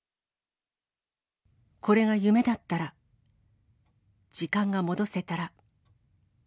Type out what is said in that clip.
これが夢だったら、時間が戻せたら。